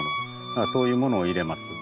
そういうものを入れます。